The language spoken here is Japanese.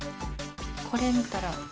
これ見たら。